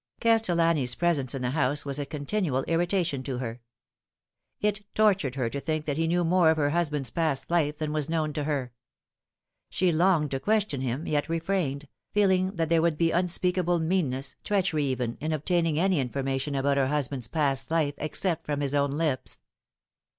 Castellani's presence in the house was a continual irritation to her. It tortured her to think that he knew more of her hus band's past life than was known to her. She louged to question him, yet refrained, feeling that there would be unspeakable meanness, treachery even, in obtaining any information about her husband's past life except from his own lips.